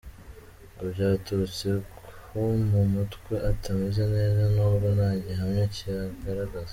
Ngo byaturutse ko mu mutwe atameze neza nubwo nta gihamya kibigaragaza.